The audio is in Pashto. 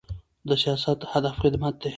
د سیاست هدف خدمت دی